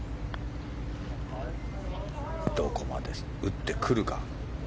どこまで打ってくるか。